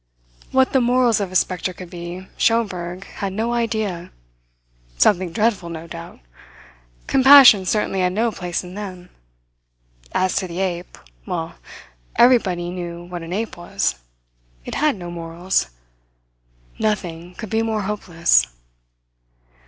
What the morals of a spectre could be, Schomberg had no idea. Something dreadful, no doubt. Compassion certainly had no place in them. As to the ape well, everybody knew what an ape was. It had no morals. Nothing could be more hopeless.